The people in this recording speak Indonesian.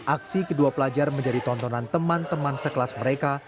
aksi kedua pelajar menjadi tontonan teman teman sekelas mereka